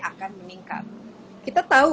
akan meningkat kita tahu